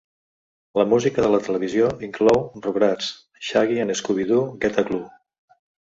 La música de la televisió inclou "Rugrats", "Shaggy and Scooby-Doo Get a Clue!"